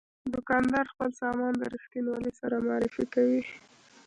دوکاندار خپل سامان د رښتینولۍ سره معرفي کوي.